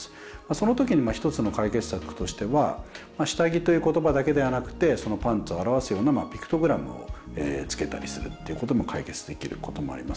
その時に一つの解決策としては下着という言葉だけではなくてそのパンツを表すようなピクトグラムをつけたりするっていうことも解決できることもあります。